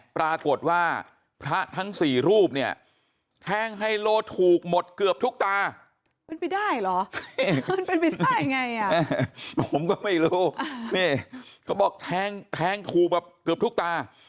ผมก็ไม่รู้เขาบอกแท้งคู่แบบเกือบทุกตา